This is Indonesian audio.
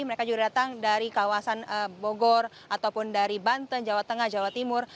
mereka juga datang dari kawasan bogor ataupun dari banten jawa tengah jawa timur